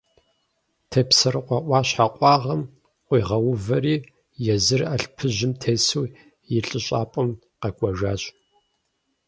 Тепсэрыкъуэ Ӏуащхьэ къуагъым къуигъэувэри езыр алъпыжьым тесу и лӀыщӀапӀэм къэкӀуэжащ.